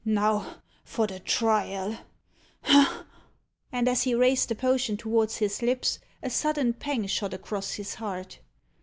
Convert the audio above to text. Now for the trial ha!" and, as he raised the potion towards his lips, a sudden pang shot across his heart.